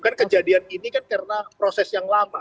kan kejadian ini kan karena proses yang lama